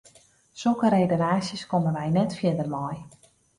Sokke redenaasjes komme wy net fierder mei.